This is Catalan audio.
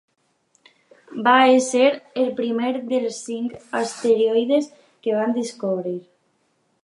Va ésser el primer dels cinc asteroides que va descobrir.